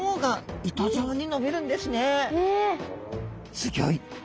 すギョい。